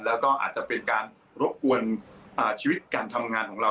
แล้วก็อาจจะเป็นการรบกวนชีวิตการทำงานของเรา